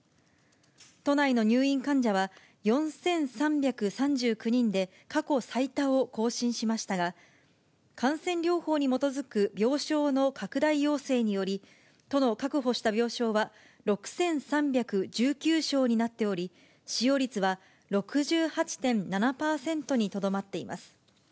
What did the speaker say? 都内の入院患者は４３３９人で、過去最多を更新しましたが、感染症法に基づく病床の拡大要請により、都の確保した病床は６３１９床になっており、使用率は６８．７％にとどまっています。